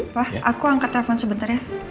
wah aku angkat telepon sebentar ya